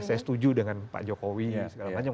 saya setuju dengan pak jokowi segala macam